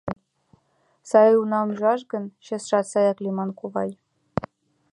— Сай унам ӱжаш гын, чесшат саяк лийман, кувай.